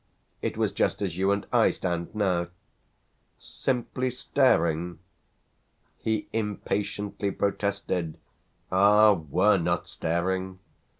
It was just as you and I stand now." "Simply staring?" He impatiently protested. "Ah! we're not staring!"